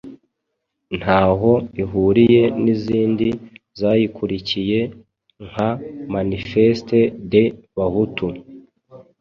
Ntaho ihuriye n'izindi zayikurikiye nka Manifeste des Bahutu